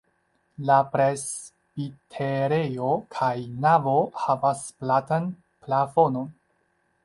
La presbiterejo kaj navo havas platan plafonon.